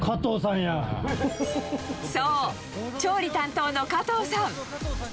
そう、調理担当の加藤さん。